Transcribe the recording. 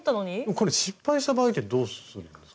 これ失敗した場合ってどうするんですか？